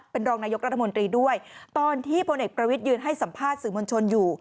เป็นรองนายกรัฐมนตรีด้วยตอนที่พลเอกประวิทยืนให้สัมภาษณ์สื่อมวลชนอยู่